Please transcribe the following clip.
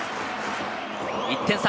１点差。